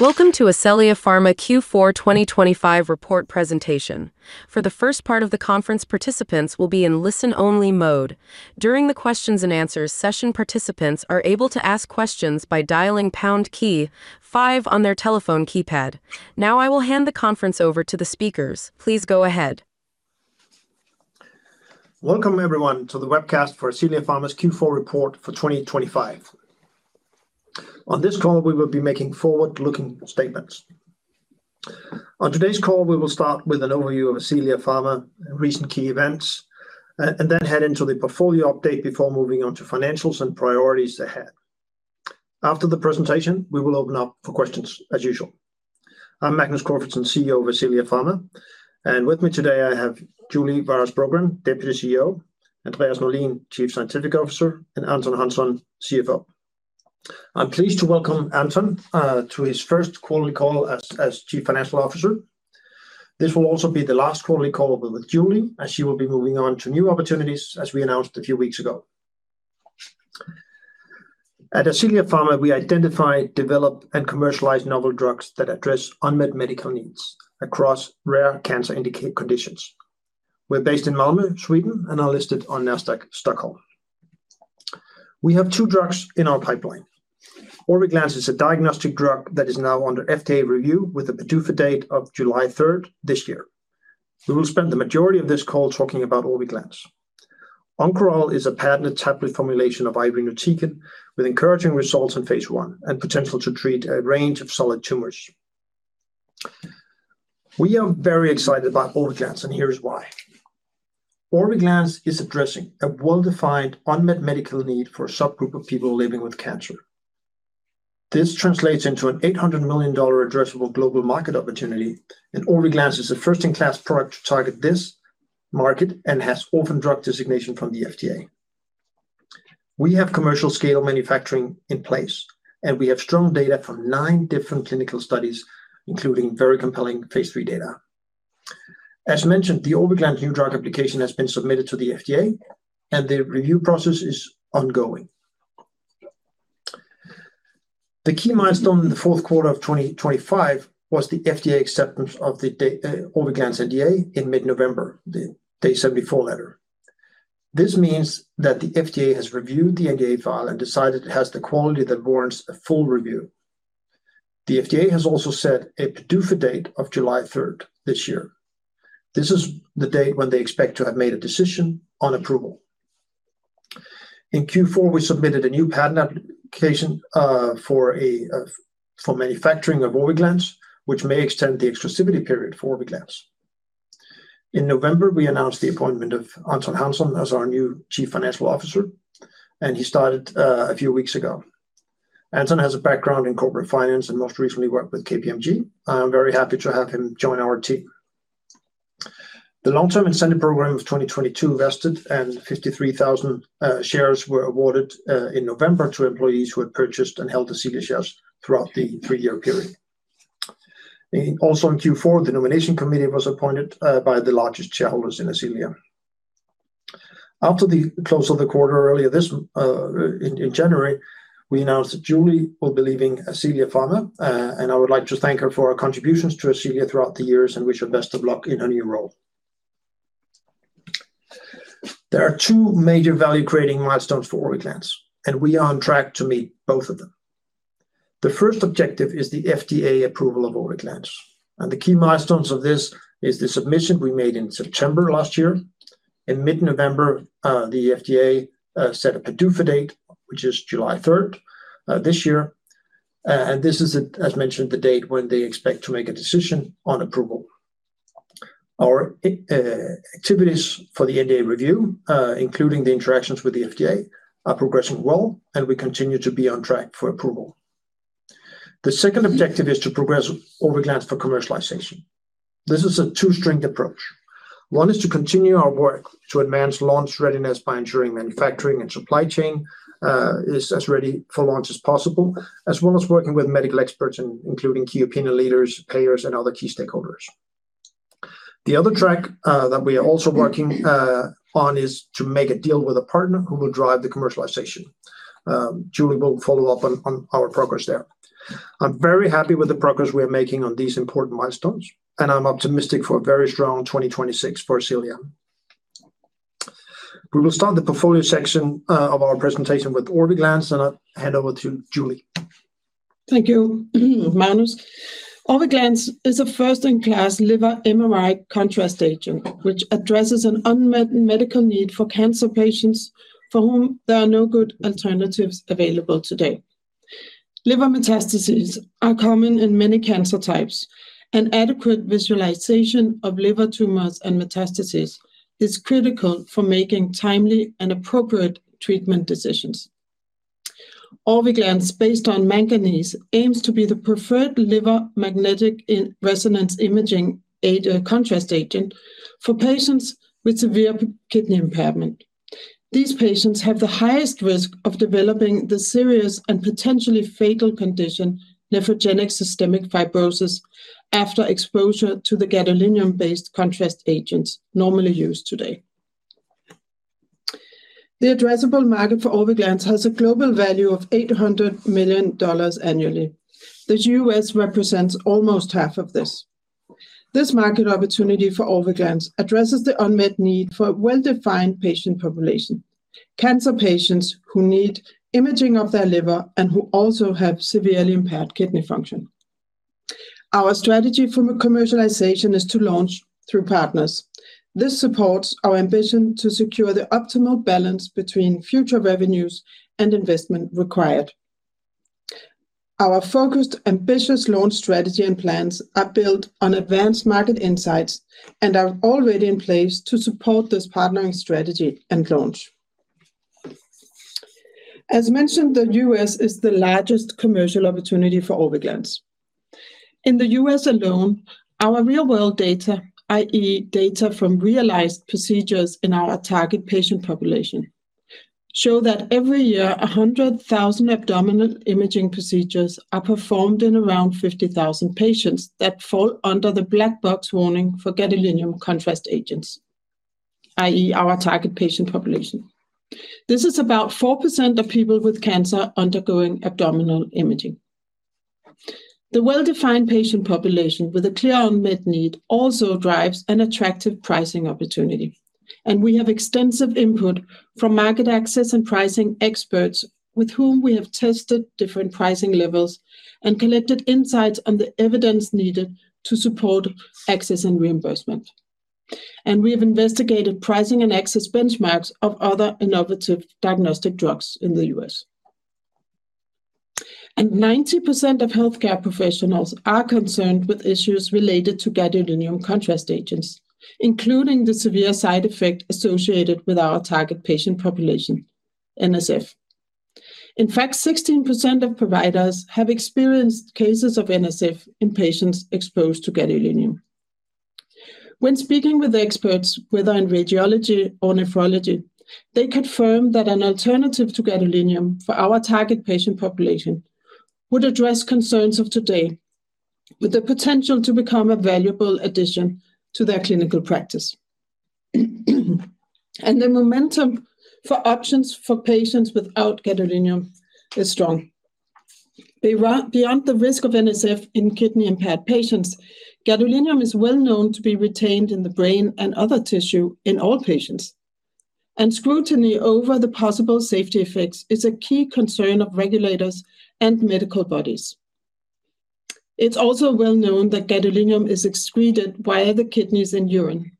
Welcome to Ascelia Pharma Q4 2025 Report Presentation. For the first part of the conference, participants will be in listen-only mode. During the questions-and-answers session, participants are able to ask questions by dialing pound key five on their telephone keypad. Now I will hand the conference over to the speakers. Please go ahead. Welcome everyone to the webcast for Ascelia Pharma's Q4 report for 2025. On this call, we will be making forward-looking statements. On today's call, we will start with an overview of Ascelia Pharma recent key events and then head into the portfolio update before moving on to financials and priorities ahead. After the presentation, we will open up for questions as usual. I'm Magnus Corfitzen, CEO of Ascelia Pharma, and with me today I have Julie Waras Brogren, Deputy CEO, Andreas Norlin, Chief Scientific Officer, and Anton Hansson, CFO. I'm pleased to welcome Anton to his first quarterly call as Chief Financial Officer. This will also be the last quarterly call with Julie, as she will be moving on to new opportunities as we announced a few weeks ago. At Ascelia Pharma, we identify, develop, and commercialize novel drugs that address unmet medical needs across rare cancer-indicated conditions. We're based in Malmö, Sweden, and are listed on Nasdaq Stockholm. We have two drugs in our pipeline. Orviglance is a diagnostic drug that is now under FDA review with a PDUFA date of July 3rd this year. We will spend the majority of this call talking about Orviglance. Oncoral is a patented tablet formulation of irinotecan with encouraging results in phase I and potential to treat a range of solid tumors. We are very excited about Orviglance, and here's why. Orviglance is addressing a well-defined unmet medical need for a subgroup of people living with cancer. This translates into an $800 million addressable global market opportunity, and Orviglance is a first-in-class product to target this market and has orphan drug designation from the FDA. We have commercial-scale manufacturing in place, and we have strong data from nine different clinical studies, including very compelling phase III data. As mentioned, the Orviglance new drug application has been submitted to the FDA, and the review process is ongoing. The key milestone in the fourth quarter of 2025 was the FDA acceptance of the Orviglance NDA in mid-November, the Day 74 letter. This means that the FDA has reviewed the NDA file and decided it has the quality that warrants a full review. The FDA has also set a PDUFA date of July 3rd this year. This is the date when they expect to have made a decision on approval. In Q4, we submitted a new patent application for manufacturing of Orviglance, which may extend the exclusivity period for Orviglance. In November, we announced the appointment of Anton Hansson as our new Chief Financial Officer, and he started a few weeks ago. Anton has a background in corporate finance and most recently worked with KPMG. I am very happy to have him join our team. The long-term incentive program of 2022 vested, and 53,000 shares were awarded in November to employees who had purchased and held Ascelia shares throughout the three-year period. Also in Q4, the nomination committee was appointed by the largest shareholders in Ascelia. After the close of the quarter earlier this in January, we announced that Julie will be leaving Ascelia Pharma, and I would like to thank her for her contributions to Ascelia throughout the years, and wish her best of luck in her new role. There are two major value-creating milestones for Orviglance, and we are on track to meet both of them. The first objective is the FDA approval of Orviglance, and the key milestones of this are the submission we made in September last year. In mid-November, the FDA set a PDUFA date, which is July 3rd this year, and this is, as mentioned, the date when they expect to make a decision on approval. Our activities for the NDA review, including the interactions with the FDA, are progressing well, and we continue to be on track for approval. The second objective is to progress Orviglance for commercialization. This is a two-stringed approach. One is to continue our work to advance launch readiness by ensuring manufacturing and supply chain are as ready for launch as possible, as well as working with medical experts, including key opinion leaders, payers, and other key stakeholders. The other track that we are also working on is to make a deal with a partner who will drive the commercialization. Julie will follow up on our progress there. I'm very happy with the progress we are making on these important milestones, and I'm optimistic for a very strong 2026 for Ascelia. We will start the portfolio section of our presentation with Orviglance, and I'll hand over to Julie. Thank you, Magnus. Orviglance is a first-in-class liver MRI contrast agent, which addresses an unmet medical need for cancer patients for whom there are no good alternatives available today. Liver metastases are common in many cancer types, and adequate visualization of liver tumors and metastases is critical for making timely and appropriate treatment decisions. Orviglance, based on manganese, aims to be the preferred liver magnetic resonance imaging contrast agent for patients with severe kidney impairment. These patients have the highest risk of developing the serious and potentially fatal condition nephrogenic systemic fibrosis after exposure to the gadolinium-based contrast agents normally used today. The addressable market for Orviglance has a global value of $800 million annually. The U.S. represents almost half of this. This market opportunity for Orviglance addresses the unmet need for a well-defined patient population: cancer patients who need imaging of their liver and who also have severely impaired kidney function. Our strategy for commercialization is to launch through partners. This supports our ambition to secure the optimal balance between future revenues and investment required. Our focused, ambitious launch strategy and plans are built on advanced market insights and are already in place to support this partnering strategy and launch. As mentioned, the U.S. is the largest commercial opportunity for Orviglance. In the U.S. alone, our real-world data, i.e., data from realized procedures in our target patient population, show that every year 100,000 abdominal imaging procedures are performed in around 50,000 patients that fall under the black box warning for gadolinium contrast agents, i.e., our target patient population. This is about 4% of people with cancer undergoing abdominal imaging. The well-defined patient population with a clear unmet need also drives an attractive pricing opportunity, and we have extensive input from market access and pricing experts with whom we have tested different pricing levels and collected insights on the evidence needed to support access and reimbursement. We have investigated pricing and access benchmarks of other innovative diagnostic drugs in the U.S. 90% of healthcare professionals are concerned with issues related to gadolinium contrast agents, including the severe side effect associated with our target patient population, NSF. In fact, 16% of providers have experienced cases of NSF in patients exposed to gadolinium. When speaking with experts, whether in radiology or nephrology, they confirmed that an alternative to gadolinium for our target patient population would address concerns of today with the potential to become a valuable addition to their clinical practice. The momentum for options for patients without gadolinium is strong. Beyond the risk of NSF in kidney-impaired patients, gadolinium is well known to be retained in the brain and other tissue in all patients, and scrutiny over the possible safety effects is a key concern of regulators and medical bodies. It's also well known that gadolinium is excreted via the kidneys and urine,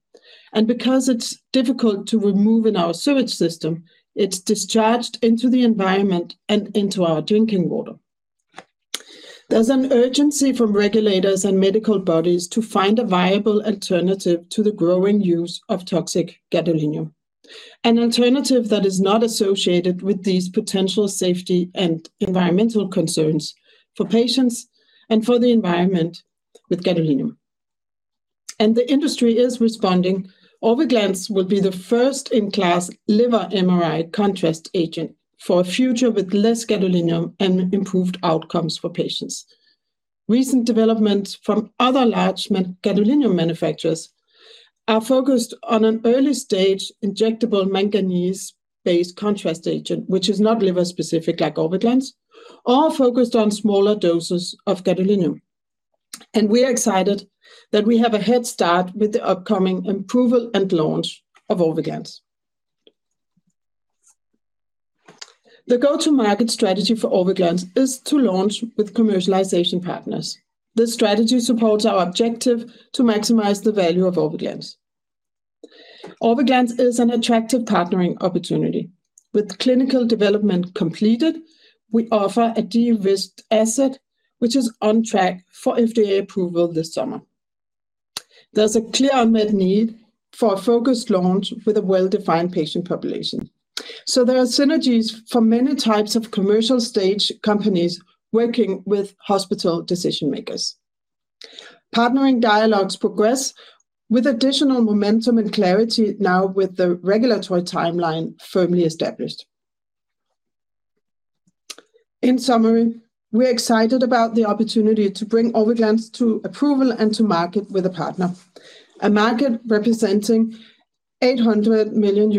and because it's difficult to remove in our sewage system, it's discharged into the environment and into our drinking water. There's an urgency from regulators and medical bodies to find a viable alternative to the growing use of toxic gadolinium, an alternative that is not associated with these potential safety and environmental concerns for patients and for the environment with gadolinium. The industry is responding. Orviglance will be the first-in-class liver MRI contrast agent for a future with less gadolinium and improved outcomes for patients. Recent developments from other large gadolinium manufacturers are focused on an early-stage injectable manganese-based contrast agent, which is not liver-specific like Orviglance, all focused on smaller doses of gadolinium. We are excited that we have a head start with the upcoming approval and launch of Orviglance. The go-to-market strategy for Orviglance is to launch with commercialization partners. This strategy supports our objective to maximize the value of Orviglance. Orviglance is an attractive partnering opportunity. With clinical development completed, we offer a de-risked asset, which is on track for FDA approval this summer. There's a clear unmet need for a focused launch with a well-defined patient population. There are synergies for many types of commercial-stage companies working with hospital decision-makers. Partnering dialogues progress with additional momentum and clarity now with the regulatory timeline firmly established. In summary, we're excited about the opportunity to bring Orviglance to approval and to market with a partner, a market representing $800 million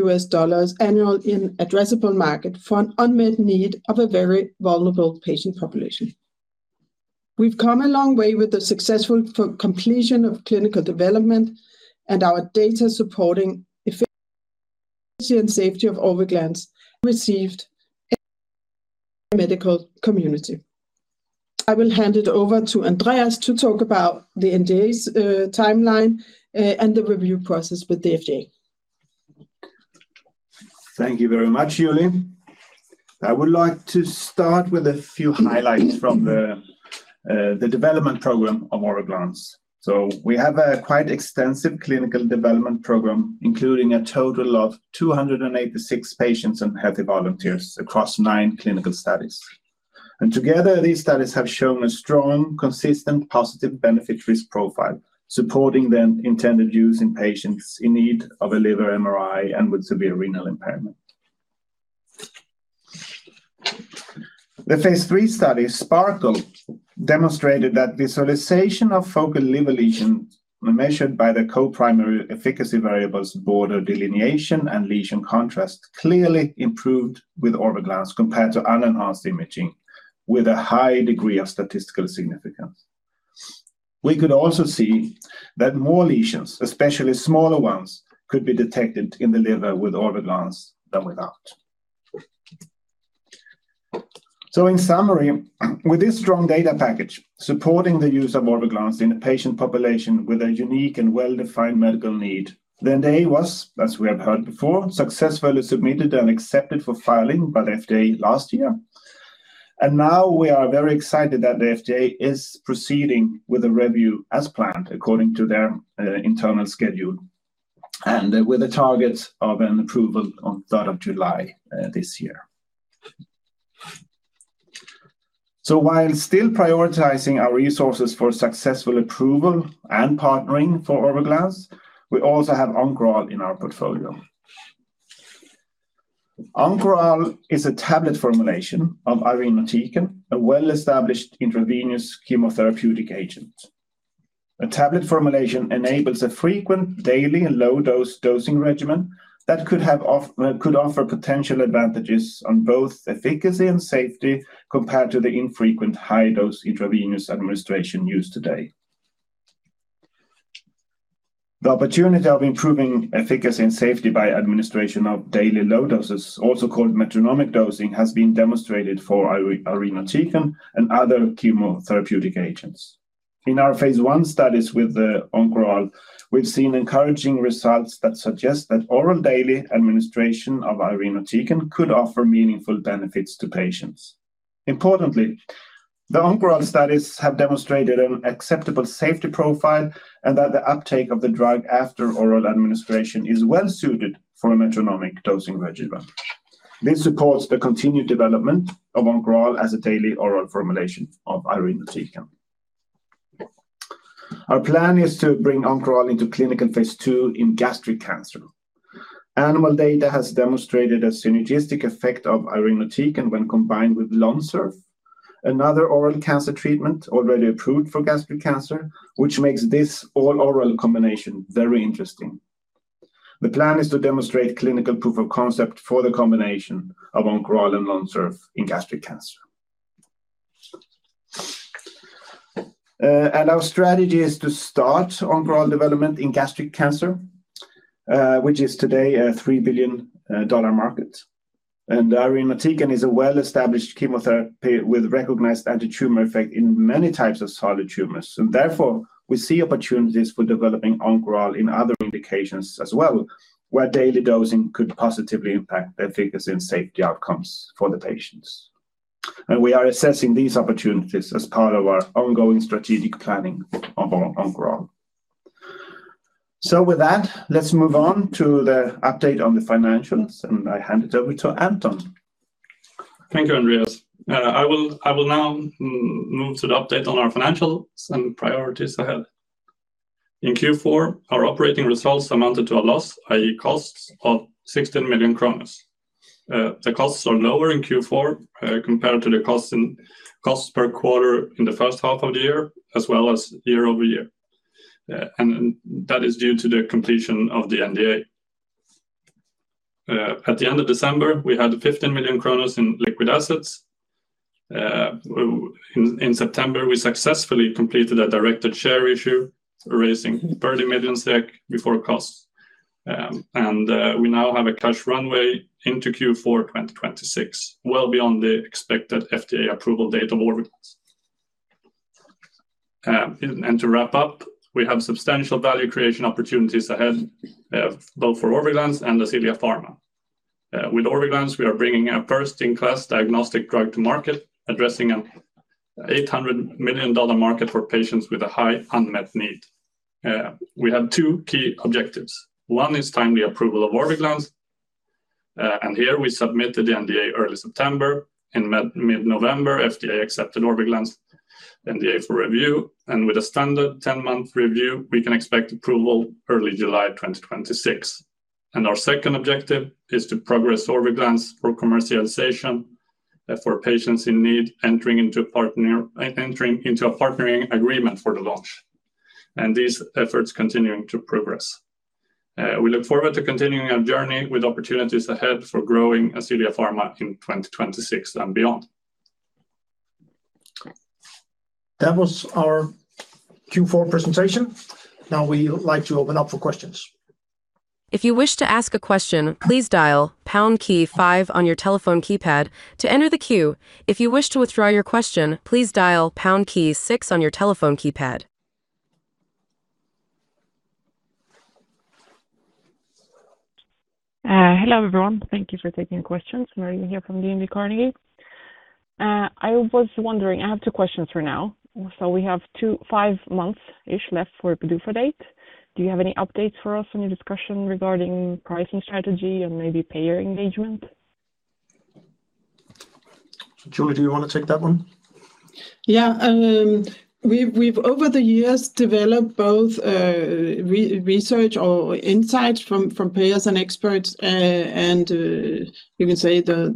annual in addressable market for an unmet need of a very vulnerable patient population. We've come a long way with the successful completion of clinical development and our data supporting efficacy and safety of Orviglance received in the medical community. I will hand it over to Andreas to talk about the NDA timeline and the review process with the FDA. Thank you very much, Julie. I would like to start with a few highlights from the development program of Orviglance. So we have a quite extensive clinical development program, including a total of 286 patients and healthy volunteers across nine clinical studies. Together, these studies have shown a strong, consistent, positive benefit-risk profile supporting the intended use in patients in need of a liver MRI and with severe renal impairment. The phase III study, SPARKLE, demonstrated that visualization of focal liver lesions measured by the co-primary efficacy variables, border delineation and lesion contrast, clearly improved with Orviglance compared to unenhanced imaging with a high degree of statistical significance. We could also see that more lesions, especially smaller ones, could be detected in the liver with Orviglance than without. So in summary, with this strong data package supporting the use of Orviglance in a patient population with a unique and well-defined medical need, the NDA was, as we have heard before, successfully submitted and accepted for filing by the FDA last year. And now we are very excited that the FDA is proceeding with the review as planned according to their internal schedule and with the targets of an approval on 3rd of July this year. So while still prioritizing our resources for successful approval and partnering for Orviglance, we also have Oncoral in our portfolio. Oncoral is a tablet formulation of irinotecan, a well-established intravenous chemotherapeutic agent. A tablet formulation enables a frequent, daily, and low-dose dosing regimen that could offer potential advantages on both efficacy and safety compared to the infrequent high-dose intravenous administration used today. The opportunity of improving efficacy and safety by administration of daily low doses, also called metronomic dosing, has been demonstrated for irinotecan and other chemotherapeutic agents. In our phase I studies with Oncoral, we've seen encouraging results that suggest that oral daily administration of irinotecan could offer meaningful benefits to patients. Importantly, the Oncoral studies have demonstrated an acceptable safety profile and that the uptake of the drug after oral administration is well-suited for a metronomic dosing regimen. This supports the continued development of Oncoral as a daily oral formulation of irinotecan. Our plan is to bring Oncoral into clinical phase II in gastric cancer. Animal data has demonstrated a synergistic effect of irinotecan when combined with Lonsurf, another oral cancer treatment already approved for gastric cancer, which makes this all-oral combination very interesting. The plan is to demonstrate clinical proof of concept for the combination of Oncoral and Lonsurf in gastric cancer. Our strategy is to start Oncoral development in gastric cancer, which is today a $3 billion market. Irinotecan is a well-established chemotherapy with recognized antitumor effect in many types of solid tumors. Therefore, we see opportunities for developing Oncoral in other indications as well, where daily dosing could positively impact efficacy and safety outcomes for the patients. We are assessing these opportunities as part of our ongoing strategic planning of Oncoral. With that, let's move on to the update on the financials, and I hand it over to Anton. Thank you, Andreas. I will now move to the update on our financials and priorities ahead. In Q4, our operating results amounted to a loss, i.e., costs of 16 million kronor. The costs are lower in Q4 compared to the costs per quarter in the first half of the year as well as year-over-year. That is due to the completion of the NDA. At the end of December, we had 15 million in liquid assets. In September, we successfully completed a directed share issue, raising 30 million SEK before costs. We now have a cash runway into Q4 2026, well beyond the expected FDA approval date of Orviglance. To wrap up, we have substantial value creation opportunities ahead, both for Orviglance and Ascelia Pharma. With Orviglance, we are bringing a first-in-class diagnostic drug to market, addressing an $800 million market for patients with a high unmet need. We have two key objectives. One is timely approval of Orviglance. Here we submitted the NDA early September. In mid-November, FDA accepted Orviglance's NDA for review. With a standard 10-month review, we can expect approval early July 2026. Our second objective is to progress Orviglance for commercialization for patients in need entering into a partnering agreement for the launch. These efforts are continuing to progress. We look forward to continuing our journey with opportunities ahead for growing Ascelia Pharma in 2026 and beyond. That was our Q4 presentation. Now we'd like to open up for questions. If you wish to ask a question, please dial pound key five on your telephone keypad to enter the queue. If you wish to withdraw your question, please dial pound key six on your telephone keypad. Hello everyone. Thank you for taking questions. Maria here from DNB Carnegie. I was wondering, I have two questions for now. So we have five months-ish left for a PDUFA date. Do you have any updates for us on your discussion regarding pricing strategy and maybe payer engagement? Julie, do you want to take that one? Yeah. We've, over the years, developed both research or insights from payers and experts, and you can say the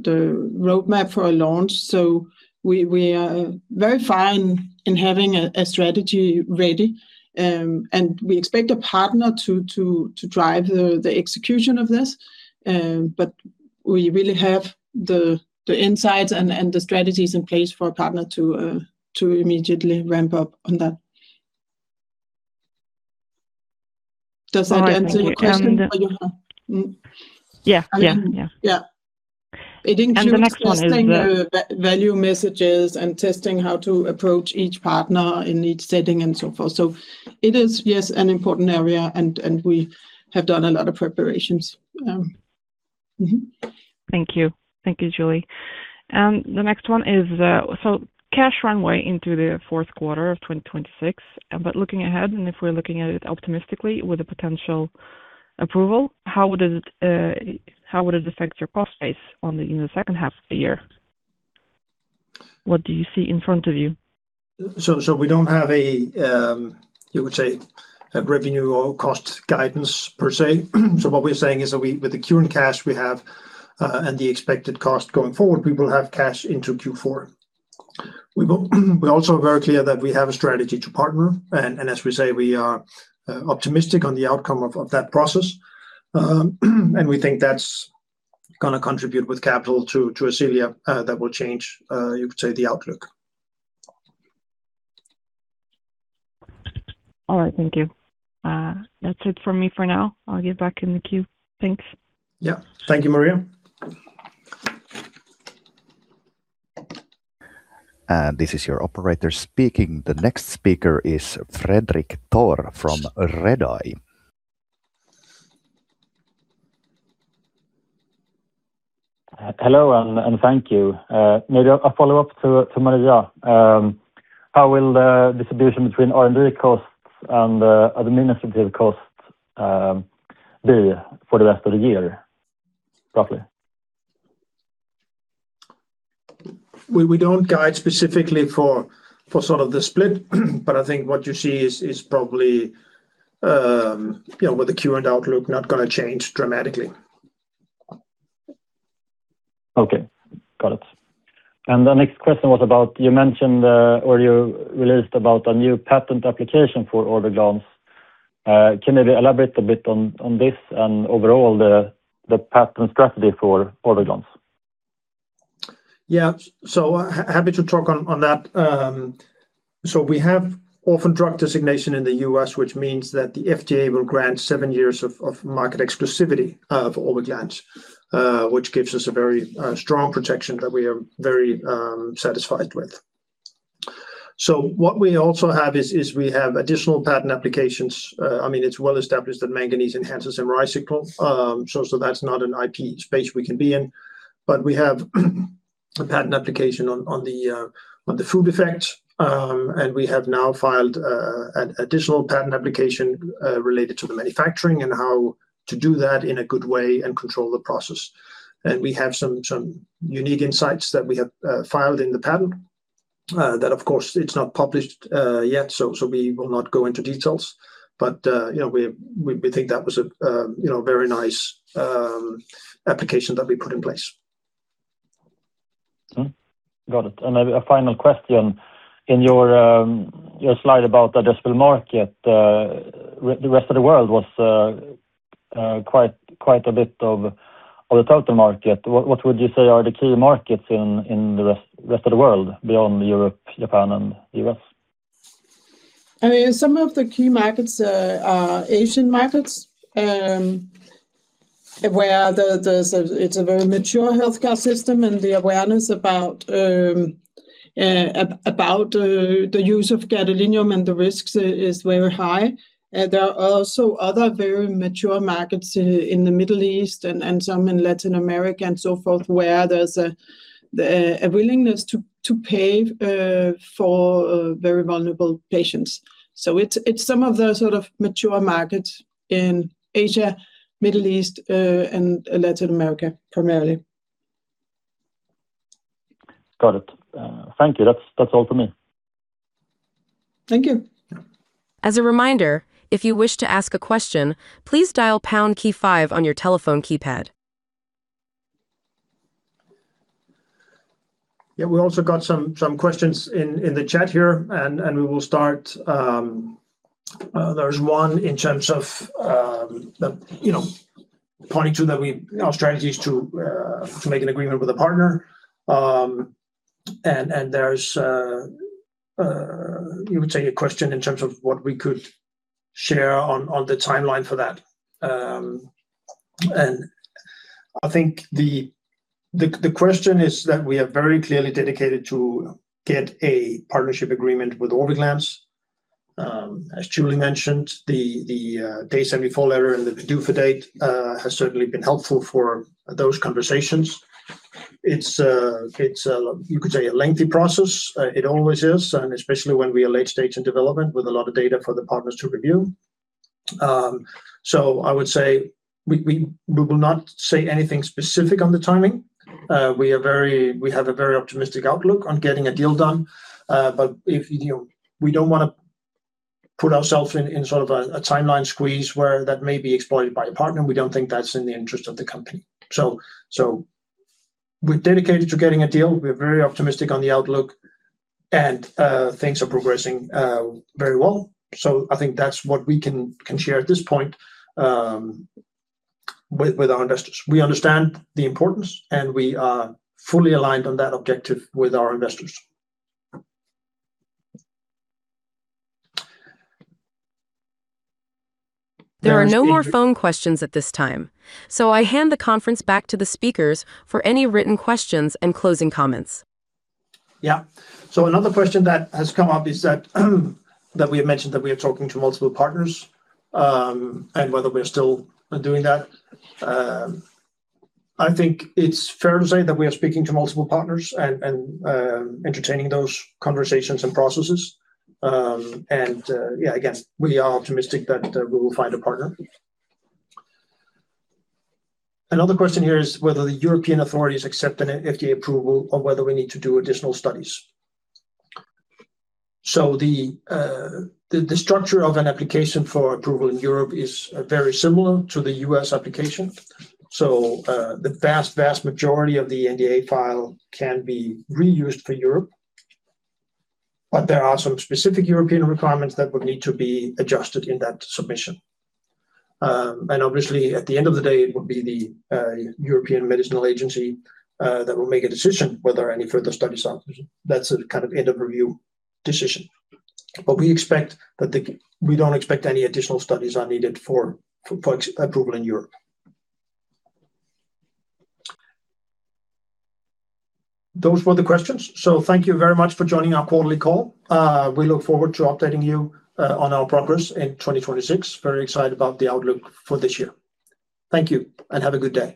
roadmap for a launch. So we are very fine in having a strategy ready. And we expect a partner to drive the execution of this. But we really have the insights and the strategies in place for a partner to immediately ramp up on that. Does that answer your question? Yeah. Yeah. Yeah. The next one is testing value messages and testing how to approach each partner in each setting and so forth. It is, yes, an important area, and we have done a lot of preparations. Thank you. Thank you, Julie. The next one is, so cash runway into the fourth quarter of 2026. But looking ahead, and if we're looking at it optimistically with a potential approval, how would it affect your cost base in the second half of the year? What do you see in front of you? So we don't have a, you would say, revenue or cost guidance per se. So what we're saying is that with the quarter-end-cash we have and the expected cost going forward, we will have cash into Q4. We also are very clear that we have a strategy to partner. And as we say, we are optimistic on the outcome of that process. And we think that's going to contribute with capital to Ascelia that will change, you could say, the outlook. All right. Thank you. That's it for me for now. I'll get back in the queue. Thanks. Yeah. Thank you, Maria. This is your operator speaking. The next speaker is Fredrik Thor from Redeye. Hello, and thank you. Maybe a follow-up to Maria. How will the distribution between R&D costs and administrative costs be for the rest of the year, roughly? We don't guide specifically for sort of the split, but I think what you see is probably, with the queue and outlook, not going to change dramatically. Okay. Got it. And the next question was about, you mentioned or you released about a new patent application for Orviglance. Can you maybe elaborate a bit on this and overall the patent strategy for Orviglance? Yeah. So, happy to talk on that. So we have orphan drug designation in the U.S., which means that the FDA will grant seven years of market exclusivity for Orviglance, which gives us a very strong protection that we are very satisfied with. So what we also have is we have additional patent applications. I mean, it's well established that manganese enhances MRI signal. So that's not an IP space we can be in. But we have a patent application on the food effects. And we have now filed an additional patent application related to the manufacturing and how to do that in a good way and control the process. And we have some unique insights that we have filed in the patent that, of course, it's not published yet, so we will not go into details. But we think that was a very nice application that we put in place. Got it. Maybe a final question. In your slide about the addressable market, the rest of the world was quite a bit of the total market. What would you say are the key markets in the rest of the world beyond Europe, Japan, and the U.S.? I mean, some of the key markets are Asian markets, where it's a very mature healthcare system, and the awareness about the use of gadolinium and the risks is very high. There are also other very mature markets in the Middle East and some in Latin America and so forth, where there's a willingness to pay for very vulnerable patients. So it's some of those sort of mature markets in Asia, Middle East, and Latin America primarily. Got it. Thank you. That's all from me. Thank you. As a reminder, if you wish to ask a question, please dial pound key five on your telephone keypad. Yeah, we also got some questions in the chat here, and we will start. There's one in terms of pointing to our strategies to make an agreement with a partner. And there's, you would say, a question in terms of what we could share on the timeline for that. And I think the question is that we are very clearly dedicated to get a partnership agreement with Orviglance. As Julie mentioned, the Day 74 letter and the PDUFA date have certainly been helpful for those conversations. It's, you could say, a lengthy process. It always is, and especially when we are late stage in development with a lot of data for the partners to review. So I would say we will not say anything specific on the timing. We have a very optimistic outlook on getting a deal done. But we don't want to put ourselves in sort of a timeline squeeze where that may be exploited by a partner. We don't think that's in the interest of the company. So we're dedicated to getting a deal. We're very optimistic on the outlook, and things are progressing very well. So I think that's what we can share at this point with our investors. We understand the importance, and we are fully aligned on that objective with our investors. There are no more phone questions at this time. I hand the conference back to the speakers for any written questions and closing comments. Yeah. So another question that has come up is that we have mentioned that we are talking to multiple partners and whether we're still doing that. I think it's fair to say that we are speaking to multiple partners and entertaining those conversations and processes. And yeah, again, we are optimistic that we will find a partner. Another question here is whether the European authorities accept an FDA approval or whether we need to do additional studies. So the structure of an application for approval in Europe is very similar to the U.S. application. So the vast, vast majority of the NDA file can be reused for Europe. But there are some specific European requirements that would need to be adjusted in that submission. And obviously, at the end of the day, it would be the European Medicines Agency that will make a decision whether any further studies are needed. That's a kind of end-of-review decision. But we don't expect any additional studies are needed for approval in Europe. Those were the questions. So thank you very much for joining our quarterly call. We look forward to updating you on our progress in 2026. Very excited about the outlook for this year. Thank you, and have a good day.